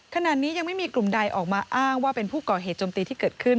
ขณะนี้ยังไม่มีกลุ่มใดออกมาอ้างว่าเป็นผู้ก่อเหตุจมตีที่เกิดขึ้น